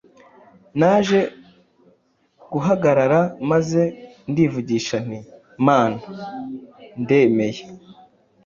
Naje guhagarara, maze ndivugisha nti “Mana ndemeye.